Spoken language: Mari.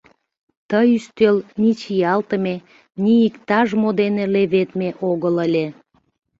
Ты ӱстел ни чиялтыме, ни иктаж-мо дене леведме огыл ыле.